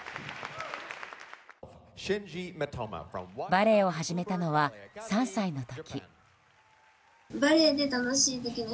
バレエを始めたのは３歳の時。